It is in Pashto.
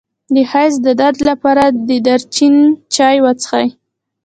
د حیض د درد لپاره د دارچینی چای وڅښئ